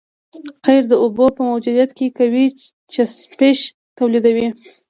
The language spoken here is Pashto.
قیر د اوبو په موجودیت کې قوي چسپش تولیدوي